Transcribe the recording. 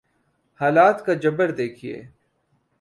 حالات کا جبر دیکھیے۔